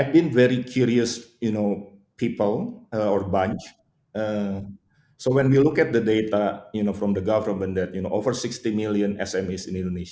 mengelola banyak penelitian tentang bagaimana kita bisa membuat framework agar kita bisa membantu smes